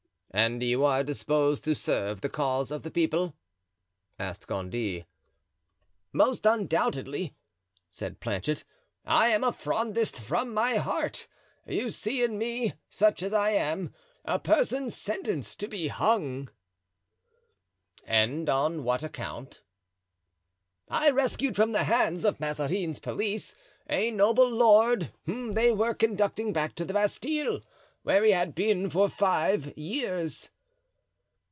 "And you are disposed to serve the cause of the people?" asked Gondy. "Most undoubtedly," said Planchet. "I am a Frondist from my heart. You see in me, such as I am, a person sentenced to be hung." "And on what account?" "I rescued from the hands of Mazarin's police a noble lord whom they were conducting back to the Bastile, where he had been for five years."